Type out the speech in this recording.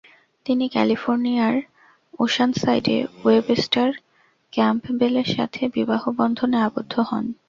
তিনি ক্যালিফোর্নিয়ার ওশানসাইডে ওয়েবস্টার ক্যাম্পবেলের সাথে বিবাহবন্ধনে আবদ্ধ হন।